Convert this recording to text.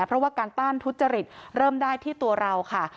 เพราะว่าการต้านทุจริตเริ่มได้ที่ตัวเราค่ะ